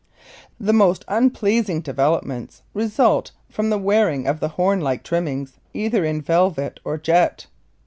The most unpleasing developments result from the wearing of the horn like trimmings either in velvet or jet.